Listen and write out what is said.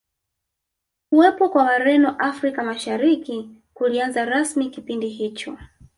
Kuwepo kwa Wareno Afrika Mashariki kulianza rasmi kipindi hicho